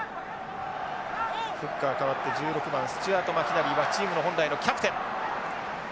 フッカー代わって１６番スチュアートマキナリーはチームの本来のキャプテン。